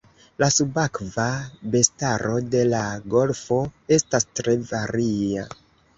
La subakva bestaro de la golfo estas tre varia.